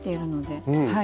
はい。